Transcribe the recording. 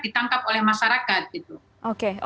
ditangkap oleh masyarakat